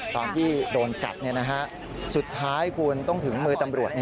ตอนที่โดนกัดสุดท้ายคุณต้องถึงมือตำรวจ